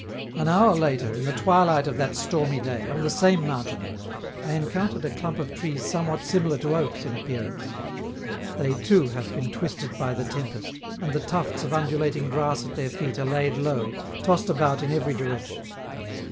An hour later, in the twilight of that stormy day, on the same mountain, I encountered a clump of trees somewhat similar to oaks in appearance; they, too, have been twisted by the tempest, and the tufts of undulating grass at their feet are laid low, tossed about in every direction.